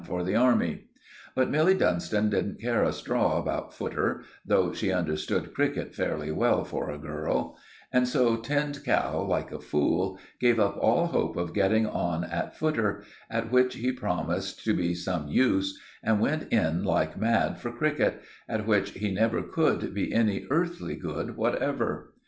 for the army. But Milly Dunstan didn't care a straw about footer, though she understood cricket fairly well for a girl; and so Tinned Cow, like a fool, gave up all hope of getting on at footer, at which he promised to be some use, and went in like mad for cricket, at which he never could be any earthly good whatever.